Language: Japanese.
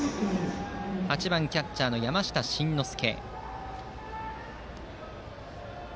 ８番キャッチャーの山下真ノ介。